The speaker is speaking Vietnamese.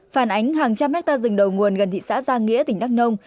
phản ánh hàng trăm hectare rừng đầu nguồn gần thị xã giang nghĩa tỉnh đắk nông